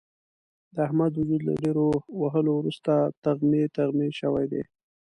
د احمد وجود له ډېرو وهلو ورسته تغمې تغمې شوی دی.